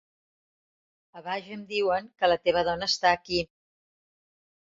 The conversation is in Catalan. A baix em diuen que la teva dona està aquí.